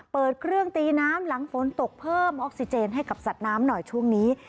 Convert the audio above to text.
เปิดเครื่องตีน้ำหลังฝนตกเพิ่มออกซิเจนให้กับสัตว์น้ำหน่อยช่วงนี้